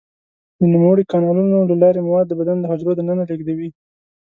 د نوموړو کانالونو له لارې مواد د بدن د حجرو دننه لیږدوي.